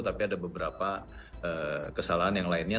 tapi ada beberapa kesalahan yang lainnya